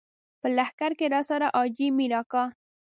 په لښکر کې راسره حاجي مير اکا.